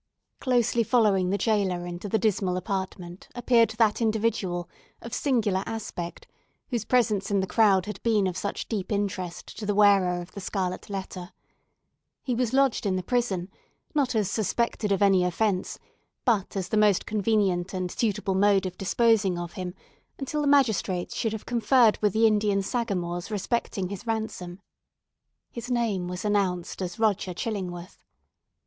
Closely following the jailer into the dismal apartment, appeared that individual, of singular aspect whose presence in the crowd had been of such deep interest to the wearer of the scarlet letter. He was lodged in the prison, not as suspected of any offence, but as the most convenient and suitable mode of disposing of him, until the magistrates should have conferred with the Indian sagamores respecting his ransom. His name was announced as Roger Chillingworth.